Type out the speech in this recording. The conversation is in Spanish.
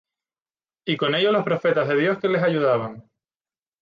y con ellos los profetas de Dios que les ayudaban.